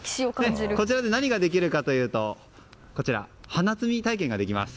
こちらで何ができるかというと花摘み体験ができます。